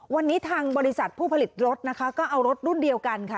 วันนี้ทางบริษัทผู้ผลิตรถนะคะก็เอารถรุ่นเดียวกันค่ะ